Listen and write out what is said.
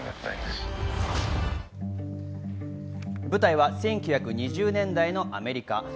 舞台は１９２０年代のアメリカ。